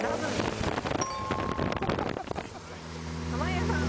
濱家さん。